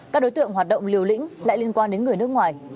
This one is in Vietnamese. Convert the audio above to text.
các đối tượng hoạt động liều lĩnh lại liên quan đến người nước ngoài